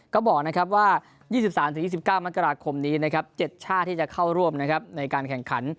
ก็บอกนะครับว่า๒๓๒๙มกราคมนี้นะครับ๗ชาติที่จะเข้าร่วมในการแข่งขัน